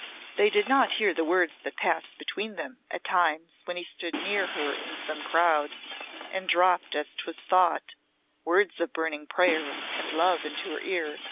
They did not hear the words that passed between them at times when he stood near her in some crowd, and dropped, as 'twas thought, words of burning prayer and love into her ear.